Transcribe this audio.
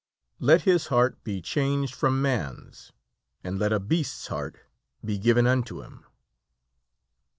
"Let his heart be changed from man's, and let a beast's heart be given unto him!"